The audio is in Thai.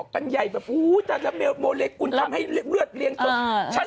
ตามุนเล็กกรุนทำให้เรือดเลี้ยงจน